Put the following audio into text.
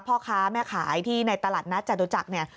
พ่อค้าแม่ขายที่ในตลาดนัดจตุจักรเนี่ย